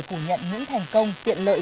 phủ nhận những thành công tiện lợi